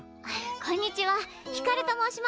こんにちはひかると申します。